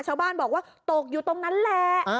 ชาวบ้านบอกว่าตกอยู่ตรงนั้นแหละ